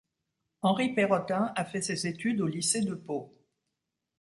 Henri Perrotin a fait ses études au lycée de Pau.